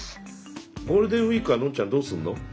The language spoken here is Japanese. ゴールデンウイークはノンちゃんどうすんの？